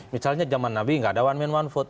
misalnya zaman nabi gak ada one man one vote